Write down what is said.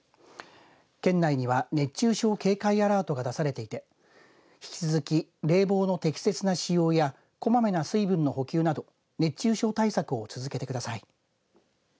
県内には熱中症警戒アラートが出されていて引き続き冷房の適切な使用やこまめな水分の補給など熱中症対策を続けてください。